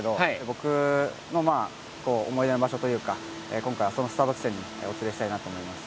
僕の思い出の場所というか今回はそのスタート地点にお連れしたいなと思います。